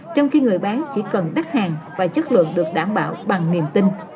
trong khi người bán chỉ cần đắt hàng và chất lượng được đảm bảo bằng niềm tin